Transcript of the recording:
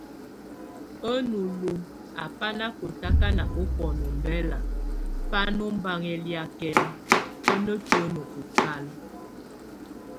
A nulu a bá nakotakan ofɔnɔ ombɛlak, bá nɛ ombaŋ eliakɛn, bá netuen okal.